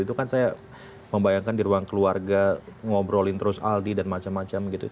itu kan saya membayangkan di ruang keluarga ngobrolin terus aldi dan macam macam gitu